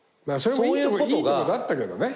それもいいとこだったけどね。